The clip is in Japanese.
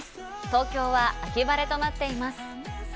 東京は秋晴れとなっています。